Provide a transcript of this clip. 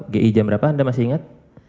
gi jam berapa anda masih ingat